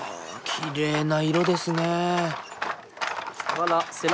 きれいな色ですね。